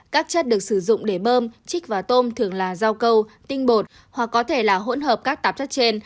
các chất được sử dụng để bơm chích và tôm thường là rau câu tinh bột hoặc có thể là hỗn hợp các tạp chất trên